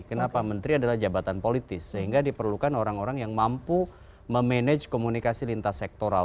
kenapa menteri adalah jabatan politis sehingga diperlukan orang orang yang mampu memanage komunikasi lintas sektoral